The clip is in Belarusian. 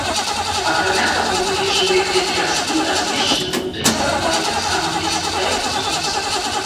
Акрамя таго, многія жывыя клеткі раслін размешчаны ўнутры сцябла і таксама не асвятляюцца сонцам.